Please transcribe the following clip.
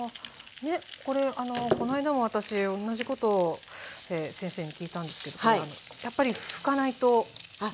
これこの間も私同じことを先生に聞いたんですけどやっぱり拭かないと駄目ですか？